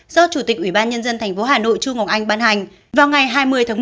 do chủ tịch ubnd tp hà nội trung ngọc anh ban hành vào ngày hai mươi tháng một mươi